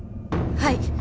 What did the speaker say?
はい。